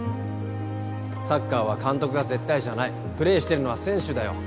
サッカーは監督が絶対じゃないプレーしてるのは選手だよ